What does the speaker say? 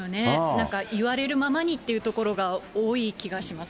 なんか、言われるままにってところが多い気がします。